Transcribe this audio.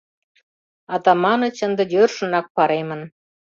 Атаманыч ынде йӧршынак паремын.